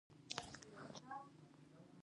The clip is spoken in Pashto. ټپي ته باید دعا کوو چې روغ شي.